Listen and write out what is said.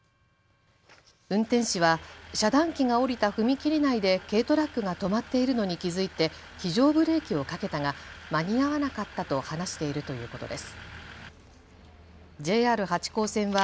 運転士は遮断機が下りた踏切内で軽トラックが止まっているのに気付いて非常ブレーキをかけたが間に合わなかったと話しているということです。